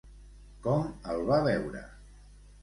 Com el va veure?